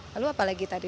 lalu apa lagi tadi